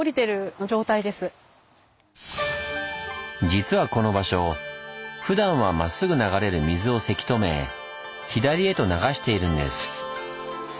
実はこの場所ふだんはまっすぐ流れる水をせき止め左へと流しているんです。